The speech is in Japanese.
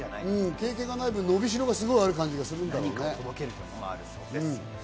経験がない分、伸びしろがあるような気がするんだろうね。